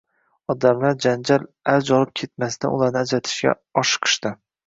Odamlar janjal avj olib ketmasidan ularni ajratishga oshiqishdi